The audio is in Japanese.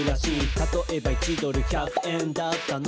「たとえば１ドル＝１００円だったのが」